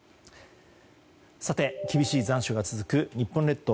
厳しい残暑が続く日本列島。